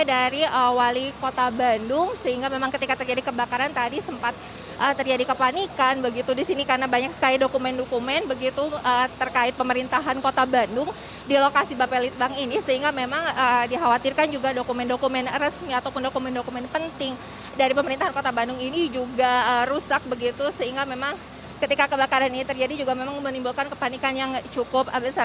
ini dari wali kota bandung sehingga memang ketika terjadi kebakaran tadi sempat terjadi kepanikan begitu disini karena banyak sekali dokumen dokumen begitu terkait pemerintahan kota bandung di lokasi bapelit bank ini sehingga memang dikhawatirkan juga dokumen dokumen resmi ataupun dokumen dokumen penting dari pemerintahan kota bandung ini juga rusak begitu sehingga memang ketika kebakaran ini terjadi juga memang menimbulkan kepanikan yang cukup besar